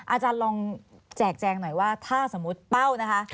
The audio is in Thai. อาจารย์ลองแจกแจงหน่อยว่าถ้าสมมุติเป้านะคะ